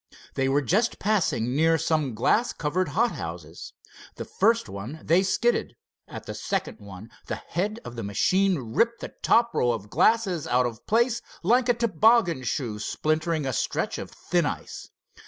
They were just passing near some glass covered hothouses. The first one they skidded. At the second one the head of the machine ripped the top row of glasses out of place like a toboggan shoe splintering a stretch of thin ice.